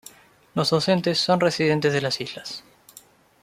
Los docentes son residentes de las islas.